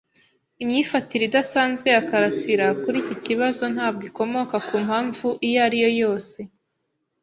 Imyifatire idasanzwe ya karasira kuri iki kibazo ntabwo ikomoka ku mpamvu iyo ari yo yose.